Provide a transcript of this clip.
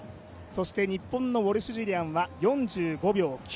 そして日本のウォルシュ・ジュリアンは４５秒９０。